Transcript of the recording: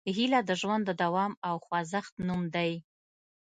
هیله د ژوند د دوام او خوځښت نوم دی.